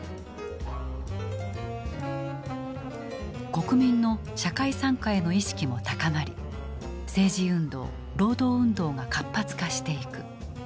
国民の社会参加への意識も高まり政治運動労働運動が活発化していく。